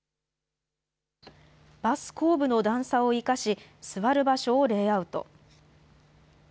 バス後部の段差を生かし、座る場所をレイアウト。